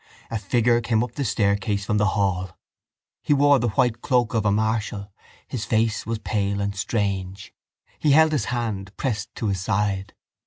A figure came up the staircase from the hall. He wore the white cloak of a marshal; his face was pale and strange; he held his hand pressed to his side.